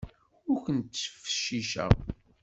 Ur kent-ttfecciceɣ.